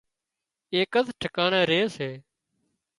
ايڪز ٺڪاڻي ري سي